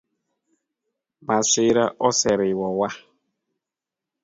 Masira osirowa